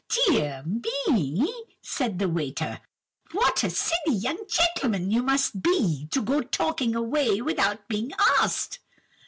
"'Dear me,' said the waiter, 'what a very silly young gentleman you must be, to go talking away without being asked!